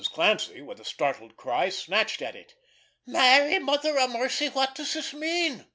Clancy, with a startled cry, snatched at it. "Mary, Mother of Mercy, what does this mean!"